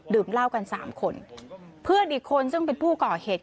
เหล้ากันสามคนเพื่อนอีกคนซึ่งเป็นผู้ก่อเหตุ